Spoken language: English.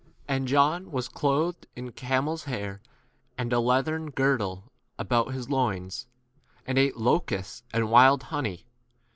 And John was clothed in camel's hair, and a leathern girdle about his loins, and ate locusts ? and wild honey.